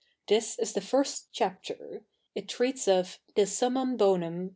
This is the first chapter ; it treats of " The Summum Bonum, o?'